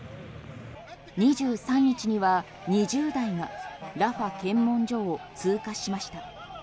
２３日には２０台がラファ検問所を通過しました。